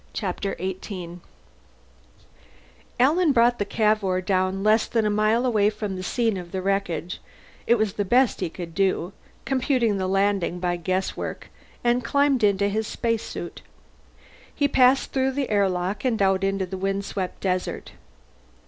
Chapter Eighteen Alan brought the Cavour down less than a mile away from the scene of the wreckage it was the best he could do, computing the landing by guesswork and climbed into his spacesuit. He passed through the airlock and out into the windswept desert.